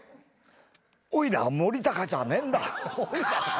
おいら森高じゃねぇんだ。